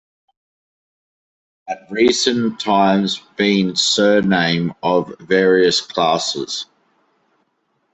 At recent times been surname of various classes.